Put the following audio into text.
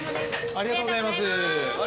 ありがとうございます。